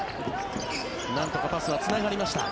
なんとかパスはつながりました。